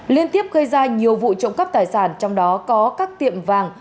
liên tiếp gây ra nhiều vụ trộm cắp tài sản trong đó có các tiệm vàng